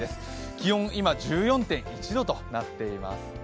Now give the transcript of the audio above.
気温、今、１４．１度となっています。